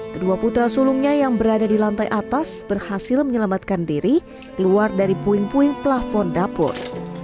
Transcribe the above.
kedua putra sulungnya yang berada di lantai atas berhasil menyelamatkan diri keluar dari puing puing plafon dapur